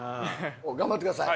頑張ってください。